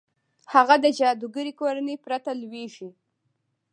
هغه د جادوګرې کورنۍ پرته لوېږي.